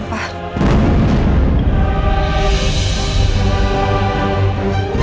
apa yang kamu lakukan